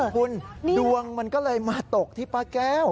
คุณดวงมันก็เลยมาตกที่ป้าแก้ว